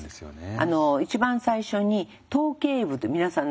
あの一番最初に頭頸部って皆さんね